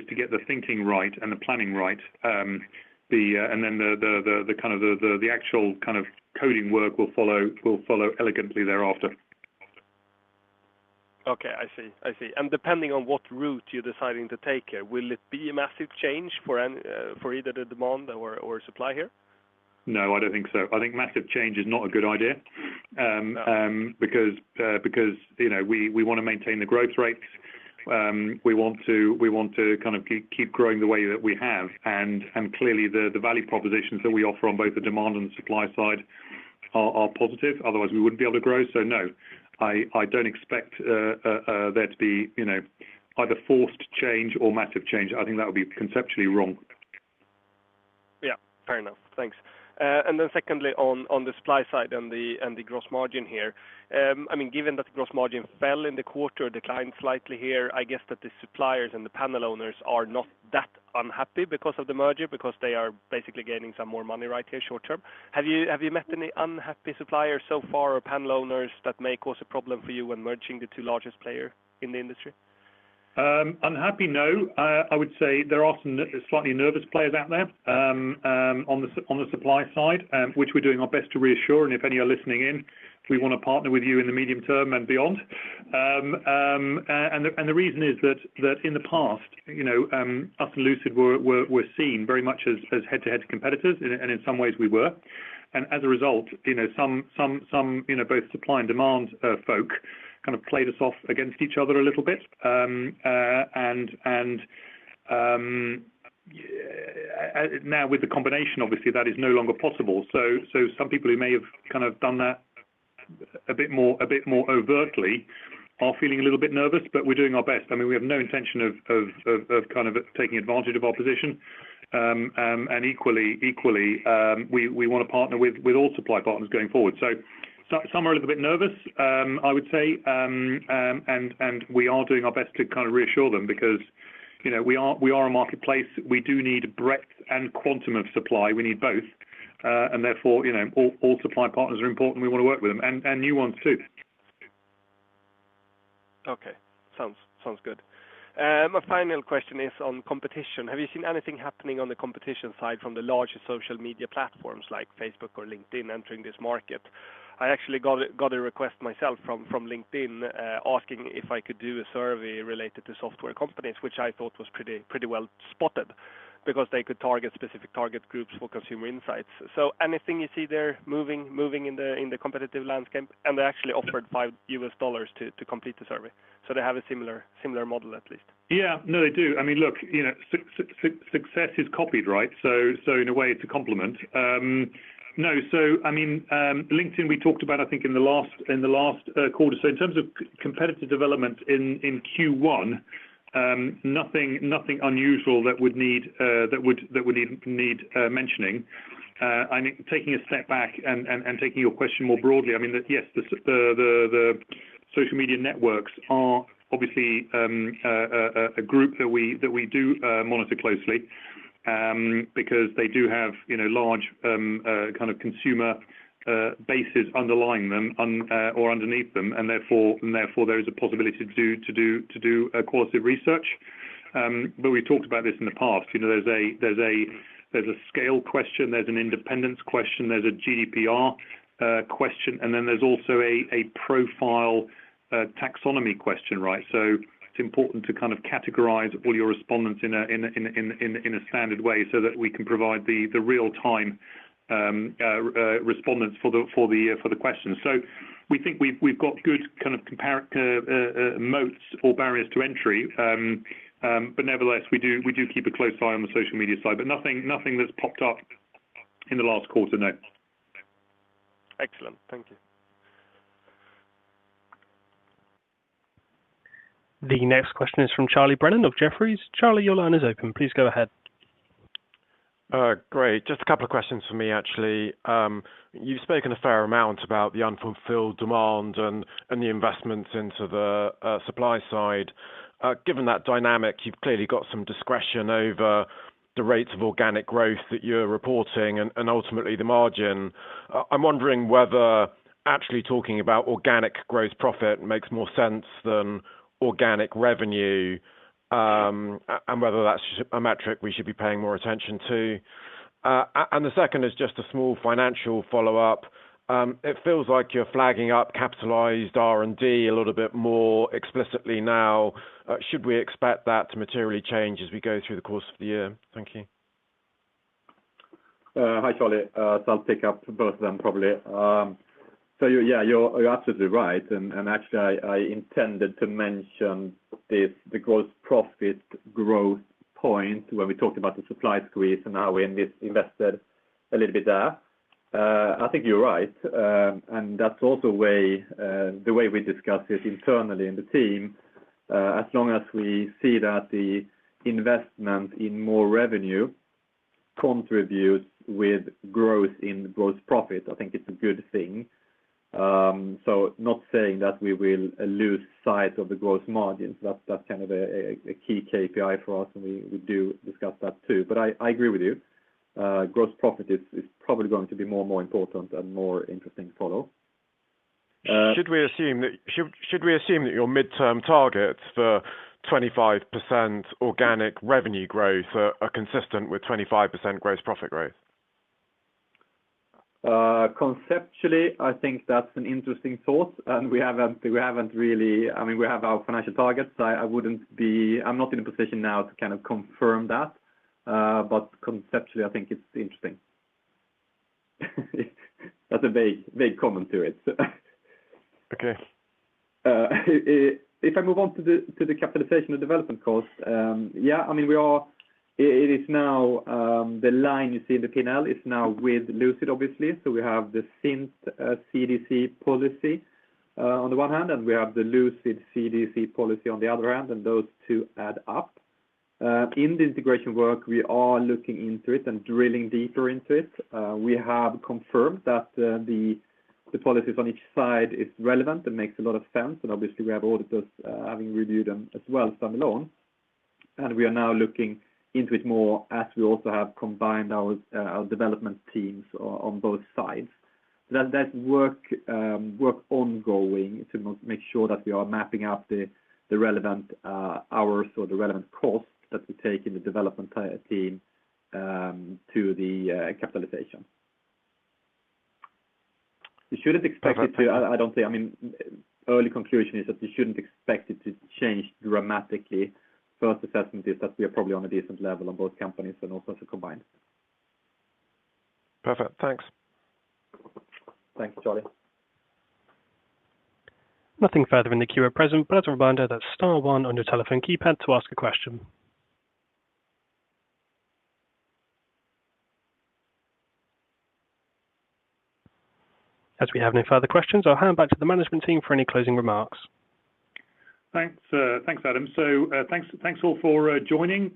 to get the thinking right and the planning right. Then the kind of the actual kind of coding work will follow elegantly thereafter. Okay. I see. Depending on what route you're deciding to take here, will it be a massive change for either the demand or supply here? No, I don't think so. I think massive change is not a good idea, because you know, we wanna maintain the growth rates. We want to kind of keep growing the way that we have. Clearly the value propositions that we offer on both the demand and supply side are positive. Otherwise, we wouldn't be able to grow. No. I don't expect there to be, you know, either forced change or massive change. I think that would be conceptually wrong. Yeah. Fair enough. Thanks. Secondly, on the supply side and the gross margin here. I mean, given that the gross margin fell in the quarter, declined slightly here, I guess that the suppliers and the panel owners are not that unhappy because of the merger, because they are basically gaining some more money right here short term. Have you met any unhappy suppliers so far or panel owners that may cause a problem for you when merging the two largest player in the industry? Unhappy? No. I would say there are some slightly nervous players out there on the supply side, which we're doing our best to reassure. If any are listening in, we wanna partner with you in the medium term and beyond. The reason is that in the past, you know, us and Lucid were seen very much as head to head competitors, and in some ways we were. As a result, you know, some both supply and demand folk kind of played us off against each other a little bit. Now with the combination, obviously, that is no longer possible. Some people who may have kind of done that a bit more overtly are feeling a little bit nervous, but we're doing our best. I mean, we have no intention of kind of taking advantage of our position. And equally, we wanna partner with all supply partners going forward. Some are a little bit nervous, I would say. And we are doing our best to kind of reassure them because, you know, we are a marketplace. We do need breadth and quantum of supply. We need both. And therefore, you know, all supply partners are important. We wanna work with them, and new ones too. Okay. Sounds good. My final question is on competition. Have you seen anything happening on the competition side from the larger social media platforms like Facebook or LinkedIn entering this market? I actually got a request myself from LinkedIn asking if I could do a survey related to software companies, which I thought was pretty well spotted because they could target specific target groups for consumer insights. Anything you see there moving in the competitive landscape? They actually offered $5 to complete the survey. They have a similar model at least. Yeah. No, they do. I mean, look, you know, success is copied, right? In a way, it's a compliment. No. I mean, LinkedIn we talked about I think in the last quarter. In terms of competitive development in Q1, nothing unusual that would need mentioning. I mean, taking a step back and taking your question more broadly, I mean, yes, the social media networks are obviously a group that we do monitor closely, because they do have, you know, large kind of consumer bases underlying them or underneath them, and therefore, there is a possibility to do qualitative research. We talked about this in the past. You know, there's a scale question, there's an independence question, there's a GDPR question, and then there's also a profile taxonomy question, right? It's important to kind of categorize all your respondents in a standard way so that we can provide the real-time respondents for the questions. We think we've got good kind of moats or barriers to entry. Nevertheless, we keep a close eye on the social media side. Nothing that's popped up in the last quarter. No. Excellent. Thank you. The next question is from Charles Brennan of Jefferies. Charlie, your line is open. Please go ahead. Great. Just a couple of questions for me, actually. You've spoken a fair amount about the unfulfilled demand and the investments into the supply side. Given that dynamic, you've clearly got some discretion over the rates of organic growth that you're reporting and ultimately the margin. I'm wondering whether actually talking about organic gross profit makes more sense than organic revenue, and whether that's a metric we should be paying more attention to. The second is just a small financial follow-up. It feels like you're flagging up capitalized R&D a little bit more explicitly now. Should we expect that to materially change as we go through the course of the year? Thank you. Hi, Charlie. I'll pick up both of them, probably. Yeah, you're absolutely right, and actually I intended to mention this, the gross profit growth point when we talked about the supply squeeze and how we invested a little bit there. I think you're right. That's also the way we discuss this internally in the team. As long as we see that the investment in more revenue contributes with growth in gross profit, I think it's a good thing. Not saying that we will lose sight of the gross margins. That's kind of a key KPI for us, and we do discuss that too. I agree with you. Gross profit is probably going to be more and more important and more interesting to follow. Should we assume that your midterm targets for 25% organic revenue growth are consistent with 25% gross profit growth? Conceptually, I think that's an interesting thought, and we haven't really. I mean, we have our financial targets. I wouldn't be. I'm not in a position now to kind of confirm that. Conceptually, I think it's interesting. That's a vague comment to it. Okay. If I move on to the capitalization of development costs, I mean, it is now the line you see in the P&L is now with Lucid obviously. We have the Cint CDC policy on the one hand, and we have the Lucid CDC policy on the other hand, and those two add up. In the integration work, we are looking into it and drilling deeper into it. We have confirmed that the policies on each side is relevant and makes a lot of sense, and obviously we have auditors having reviewed them as well standalone. We are now looking into it more as we also have combined our development teams on both sides. That work ongoing to make sure that we are mapping out the relevant hours or the relevant costs that we take in the development team to the capitalization. You shouldn't expect it to change dramatically. I mean, early conclusion is that you shouldn't expect it to change dramatically. First assessment is that we are probably on a decent level on both companies and also combined. Perfect. Thanks. Thanks, Charlie. Nothing further in the queue at present, but as a reminder, that's star one on your telephone keypad to ask a question. As we have no further questions, I'll hand back to the management team for any closing remarks. Thanks, Adam. Thanks all for joining.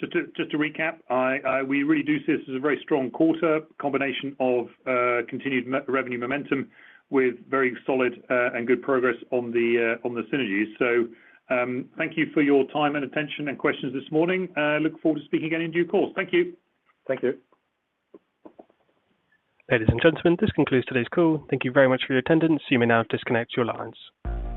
Just to recap, we really do see this as a very strong quarter, combination of continued revenue momentum with very solid and good progress on the synergies. Thank you for your time and attention and questions this morning. Look forward to speaking again in due course. Thank you. Thank you. Ladies and gentlemen, this concludes today's call. Thank you very much for your attendance. You may now disconnect your lines.